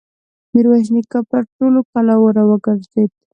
ميرويس نيکه پر ټولو کلاوو را وګرځېد.